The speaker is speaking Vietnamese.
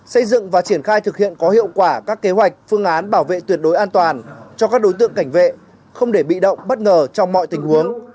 xây dựng và triển khai thực hiện có hiệu quả các kế hoạch phương án bảo vệ tuyệt đối an toàn cho các đối tượng cảnh vệ không để bị động bất ngờ trong mọi tình huống